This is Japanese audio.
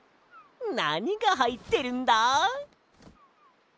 なにがはいってるんだ？